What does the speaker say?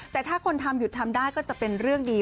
แต่ถ้าคนทำหยุดทำได้ก็จะเป็นเรื่องดี